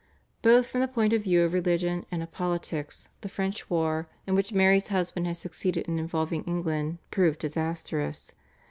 Both from the point of view of religion and of politics the French war, in which Mary's husband had succeeded in involving England, proved disastrous.